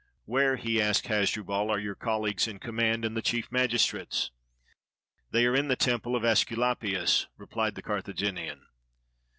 "Where," he asked Hasdrubal, "are your colleagues in command, and the chief magistrates?" "They are in the Temple of ^Esculapius," repHed the Carthaginian.